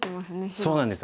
そうなんですよ。